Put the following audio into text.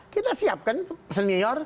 kita siapkan senior